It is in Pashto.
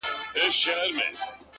• څاڅکي څاڅکي ډېرېږي ,